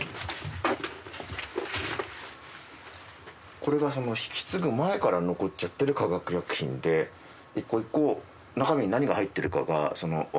これが引き継ぐ前から残っちゃってる化学薬品で１個１個中身に何が入ってるかがわからないので。